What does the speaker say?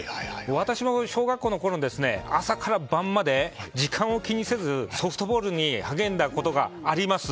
私も小学校のころ、朝から晩まで時間を気にせずソフトボールに励んだことがあります。